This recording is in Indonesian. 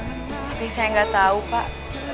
tapi saya gak tau pak